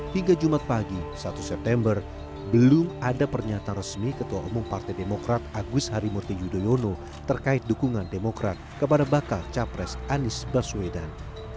hingga jumat pagi satu september belum ada pernyataan resmi ketua umum partai demokrat agus harimurti yudhoyono terkait dukungan demokrat kepada bakal capres anies baswedan